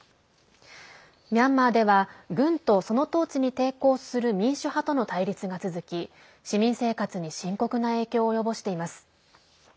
ミャンマーでは軍とその統治に抵抗する民主派との対立が続き市民生活に深刻な影響を及ぼしています。